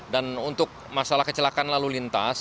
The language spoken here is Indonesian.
dan untuk masalah kecelakaan lalu lintas